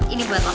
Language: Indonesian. ini buat lo